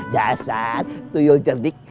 dasar tuyul cerdik